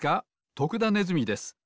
徳田ネズミです。